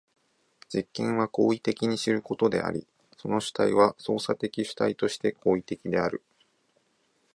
実験は行為的に知ることであり、その主体は操作的主体として行為的である。